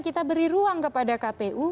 kita beri ruang kepada kpu